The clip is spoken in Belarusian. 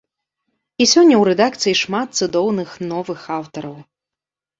І сёння ў рэдакцыі шмат цудоўных новых аўтараў.